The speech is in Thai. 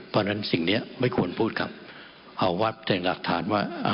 เพราะฉะนั้นสิ่งนี้ไม่ควรพูดครับเอาวัดแต่หลักฐานว่า